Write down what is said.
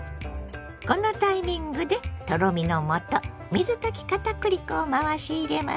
このタイミングでとろみのもと水溶き片栗粉を回し入れます。